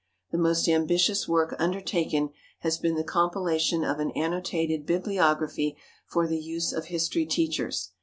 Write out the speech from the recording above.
The most ambitious work undertaken has been the compilation of an Annotated Bibliography for the Use of History Teachers.